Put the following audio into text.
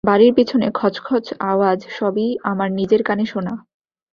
বাড়ির পিছনে খচখচ আওয়াজ-সবই আমার নিজের কানে শোনা।